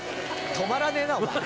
止まらねえなお前。